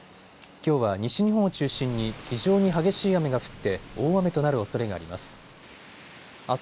きょうは西日本を中心に非常に激しい雨が降って大雨となるおそれがあります。